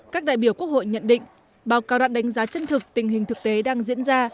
các đại biểu quốc hội nhận định báo cáo đạt đánh giá chân thực tình hình thực tế đang diễn ra